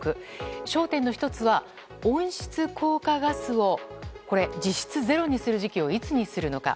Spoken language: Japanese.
焦点の１つは温室効果ガスを実質ゼロにする時期をいつにするのか。